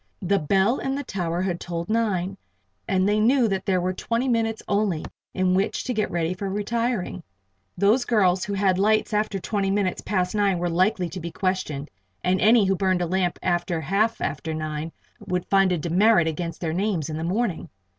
The bell in the tower had tolled nine, and they knew that there were twenty minutes only in which to get ready for retiring. Those girls who had lights after twenty minutes past nine were likely to be questioned, and any who burned a lamp after half after nine would find a demerit against their names in the morning.